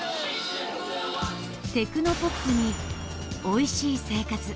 テクノポップに「おいしい生活」。